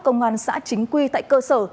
công an xã chính quy tại cơ sở